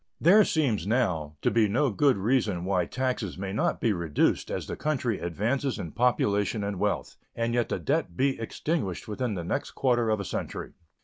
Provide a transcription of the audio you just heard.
There seems now to be no good reason why taxes may not be reduced as the country advances in population and wealth, and yet the debt be extinguished within the next quarter of a century.